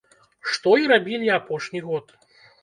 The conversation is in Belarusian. Што і рабілі апошні год.